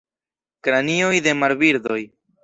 Kranioj de marbirdoj.